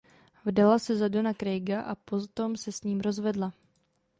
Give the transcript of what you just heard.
Vdala se za Dona Craiga a potom se s ním rozvedla.